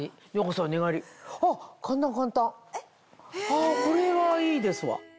あこれはいいですわ。